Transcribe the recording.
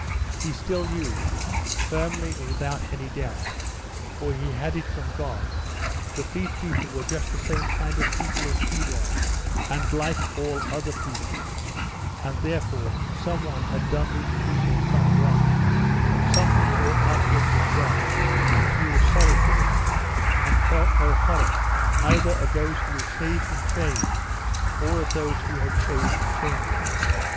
He still knew, firmly and without any doubt, for he had it from God, that these people were just the same kind of people as he was, and like all other people, and therefore some one had done these people some wrong, something that ought not to have been done, and he was sorry for them, and felt no horror either of those who were shaved and chained or of those who had shaved and chained them.